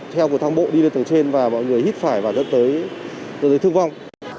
theo của thang bộ đi lên tầng trên và mọi người hít phải và dẫn tới thương vong